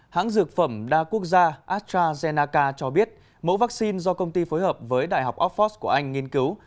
hãng dược phẩm đa quốc gia astrazennaca cho biết mẫu vaccine do công ty phối hợp với đại học oxford của anh nghiên cứu